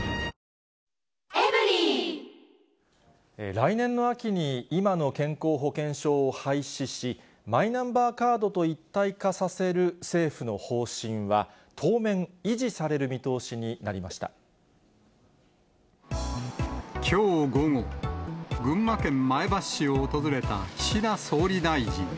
来年の秋に今の健康保険証を廃止し、マイナンバーカードと一体化させる政府の方針は当面、維持されるきょう午後、群馬県前橋市を訪れた岸田総理大臣。